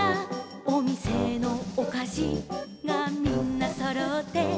「おみせのおかしがみんなそろって」